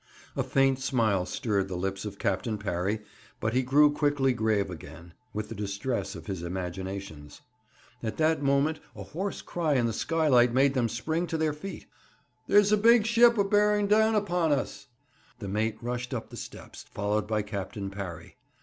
A faint smile stirred the lips of Captain Parry; but he grew quickly grave again, with the distress of his imaginations. At that moment a hoarse cry in the skylight made them spring to their feet. 'There's a big ship a bearing down upon us!' The mate rushed up the steps, followed by Captain Parry.